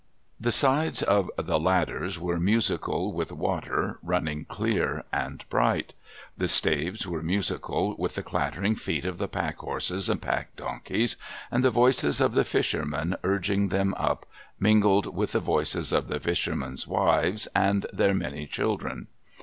The sides of the ladders were musical with water, running clear and bright. The staves were musical with the clattering feet of the pack horses and pack donkeys, and the voices of the fishermen urging them up, mingled with the voices of the fishermen's wives and their many children.